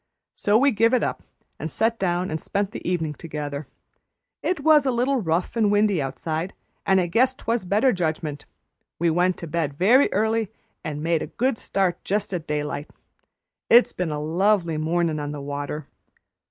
So we give it up, and set down and spent the evenin' together. It was a little rough and windy outside, and I guess 'twas better judgment; we went to bed very early and made a good start just at daylight. It's been a lovely mornin' on the water.